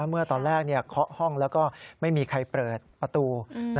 เมื่อตอนแรกเช้าห้องไม่มีใครเปิดประตู